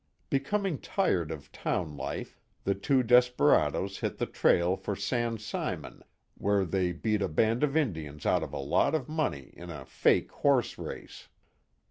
Becoming tired of town life, the two desperadoes hit the trail for San Simon, where they beat a band of Indians out of a lot of money in a "fake" horse race.